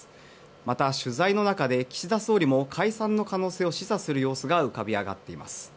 また、取材の中で岸田総理も解散の可能性を示唆する様子が浮かび上がっています。